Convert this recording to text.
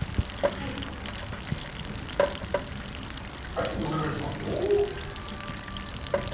はいお願いしますよ。